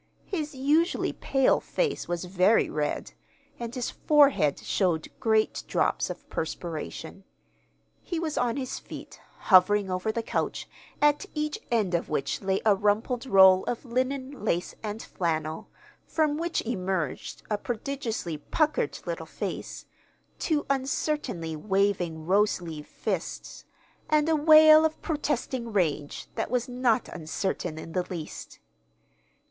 His usually pale face was very red, and his forehead showed great drops of perspiration. He was on his feet, hovering over the couch, at each end of which lay a rumpled roll of linen, lace, and flannel, from which emerged a prodigiously puckered little face, two uncertainly waving rose leaf fists, and a wail of protesting rage that was not uncertain in the least.